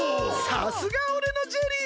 さすがおれのジェリー！